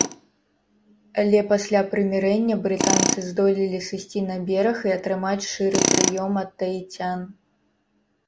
Але пасля прымірэння брытанцы здолелі сысці на бераг і атрымаць шчыры прыём ад таіцян.